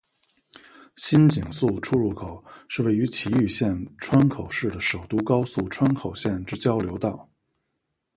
新井宿出入口是位于崎玉县川口市的首都高速川口线之交流道。